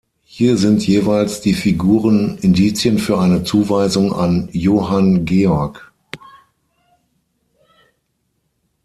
Hier sind jeweils die Figuren Indizien für eine Zuweisung an Johann Georg.